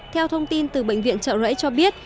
theo thông tin từ bệnh viện trợ rẫy cho biết